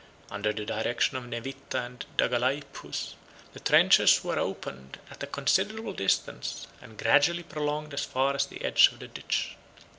Under the direction of Nevitta and Dagalaiphus, the trenches were opened at a considerable distance, and gradually prolonged as far as the edge of the ditch.